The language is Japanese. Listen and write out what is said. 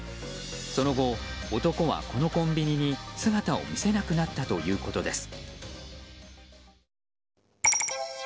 その後、男はこのコンビニに姿を見せなくなったということです。